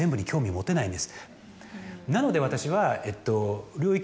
なので私は。